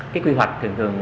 cái quy hoạch thường thường